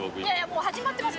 もう始まってます